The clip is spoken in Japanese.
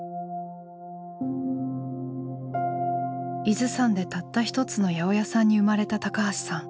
伊豆山でたった一つの八百屋さんに生まれた橋さん。